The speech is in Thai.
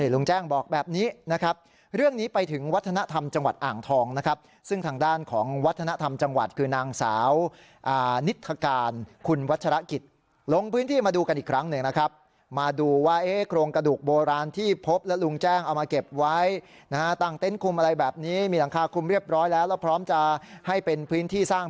ลุงแจ้งบอกแบบนี้นะครับเรื่องนี้ไปถึงวัฒนธรรมจังหวัดอ่างทองนะครับซึ่งทางด้านของวัฒนธรรมจังหวัดคือนางสาวนิทธการคุณวัฒนธรรมจังหวัดคือนางสาวนิทธการคุณวัฒนธรรมจังหวัดคือนางสาวนิทธการคุณวัฒนธรรมจังหวัดคือนางสาวนิทธการคุณวัฒนธรรมจังหวัดคือนาง